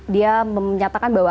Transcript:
dia menyatakan bahwa